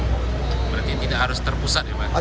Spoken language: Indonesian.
berarti tidak harus terpusat ya pak